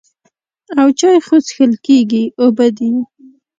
او چای خو څښل کېږي اوبه دي.